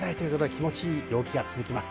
気持ちいい陽気が続きます。